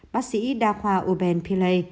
bác sĩ đa khoa uben pillay